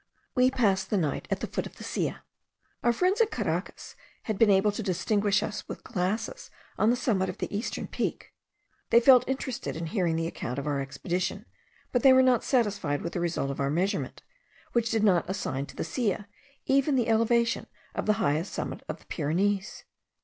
We passed the night at the foot of the Silla. Our friends at Caracas had been able to distinguish us with glasses on the summit of the eastern peak. They felt interested in hearing the account of our expedition, but they were not satisfied with the result of our measurement, which did not assign to the Silla even the elevation of the highest summit of the Pyrenees.